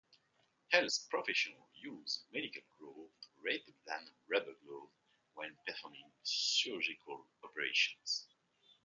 Health professionals use medical gloves rather than rubber gloves when performing surgical operations.